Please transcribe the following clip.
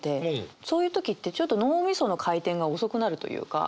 そういう時ってちょっと脳みその回転が遅くなるというか。